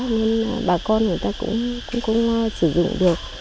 nên là bà con người ta cũng không sử dụng được